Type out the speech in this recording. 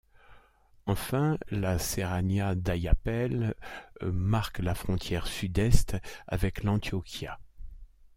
Enfin, la serranía d'Ayapel marque la frontière sud-est avec l'Antioquia.